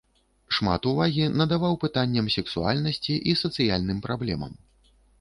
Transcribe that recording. Шмат увагі надаваў пытанням сексуальнасці і сацыяльным праблемам.